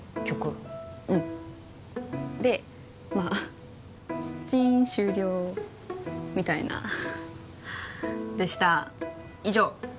曲うんでまあチーン終了みたいなでした以上！